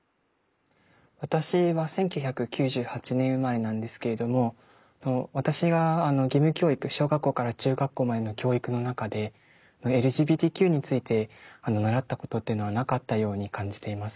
私は１９９８年生まれなんですけれども私が義務教育小学校から中学校までの教育の中でＬＧＢＴＱについて習ったことっていうのはなかったように感じています。